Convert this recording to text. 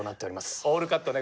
オールカットね